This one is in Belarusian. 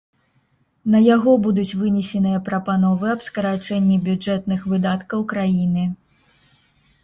На яго будуць вынесеныя прапановы аб скарачэнні бюджэтных выдаткаў краіны.